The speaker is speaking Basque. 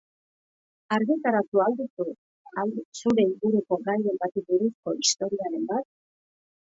Argitaratu al duzu zure inguruko gairen bati buruzko historiaren bat?